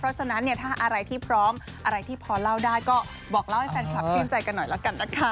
เพราะฉะนั้นเนี่ยถ้าอะไรที่พร้อมอะไรที่พอเล่าได้ก็บอกเล่าให้แฟนคลับชื่นใจกันหน่อยแล้วกันนะคะ